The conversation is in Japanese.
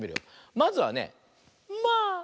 まずはね「まあ！」。